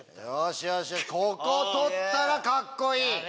ここ取ったらカッコいい。